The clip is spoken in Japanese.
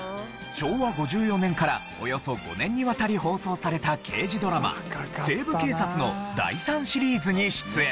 昭和５４年からおよそ５年にわたり放送された刑事ドラマ『西部警察』の第３シリーズに出演。